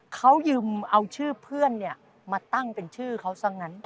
เขายืมเอาชื่อเพื่อนมาตั้งเป็นชื่อเขาซะงั้น